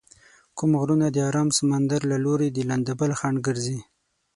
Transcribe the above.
کوم غرونه د ارام سمندر له لوري د لندبل خنډ ګرځي؟